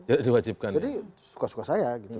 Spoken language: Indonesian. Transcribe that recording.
jadi suka suka saya gitu